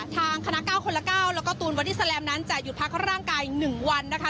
ทางคณะเก้าคนละเก้าแล้วก็ตูนบอดี้แซลมนั้นจะหยุดพักข้างล่างกายหนึ่งวันนะคะ